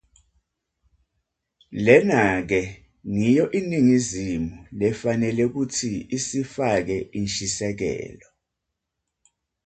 Lena-ke ngiyo iNingizimu lefanele kutsi isifake inshisekelo.